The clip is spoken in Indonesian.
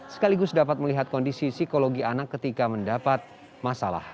sekaligus dapat melihat kondisi psikologi anak ketika mendapat masalah